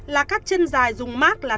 là các chân dài dùng mát là